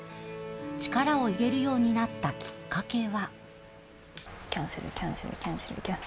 力を入れるようになったきっかけは。